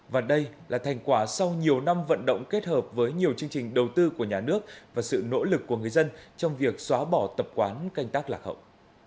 và đây là thành quả sau nhiều năm vận động kết hợp với nhiều chương trình đầu tư của nhà nước và sự nỗ lực của người dân trong việc xóa bỏ tập quán canh tác lạc hậu